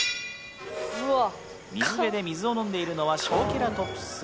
水辺で水を飲んでいるのはショウケラトプス。